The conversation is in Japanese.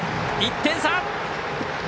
１点差！